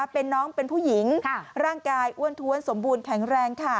เป็นน้องเป็นผู้หญิงร่างกายอ้วนท้วนสมบูรณ์แข็งแรง